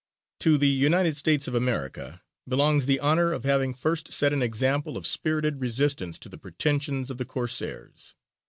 To the United States of America belongs the honour of having first set an example of spirited resistance to the pretensions of the Corsairs.